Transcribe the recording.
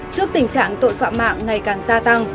trước tình trạng tội phạm mạng ngày càng gia tăng